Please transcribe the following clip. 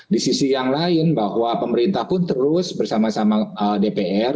di sisi yang lain bahwa pemerintah pun terus bersama sama dpr